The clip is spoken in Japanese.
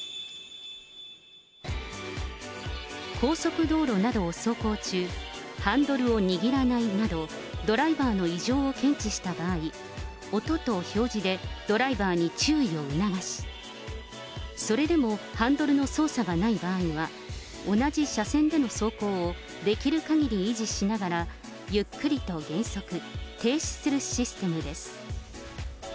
高速道路などを走行中、ハンドルを握らないなど、ドライバーの異常を検知した場合、音と表示でドライバーに注意を促し、それでもハンドルの操作がない場合は、同じ車線での走行をできるかぎり維持しながら、ゆっくりと減速、停止するシステムです。